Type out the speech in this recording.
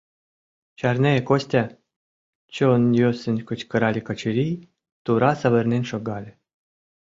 — Чарне, Костя! — чон йӧсын кычкырале Качырий, тура савырнен шогале.